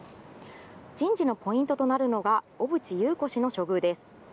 人事のポイントとなるのが小渕優子氏の処遇です。